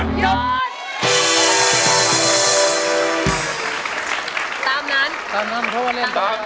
ตามนั้น